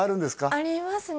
ありますね